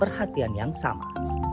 perhatian yang sama